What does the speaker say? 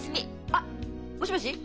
あっもしもし？